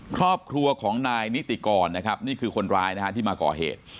ครอบครัวของนายนิติกรนะครับนี่คือคนร้ายนะฮะที่มาก่อเหตุ